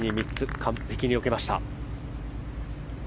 完璧によけました。